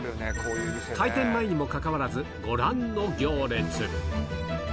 開店前にもかかわらず、ご覧の行列。